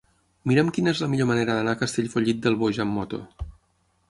Mira'm quina és la millor manera d'anar a Castellfollit del Boix amb moto.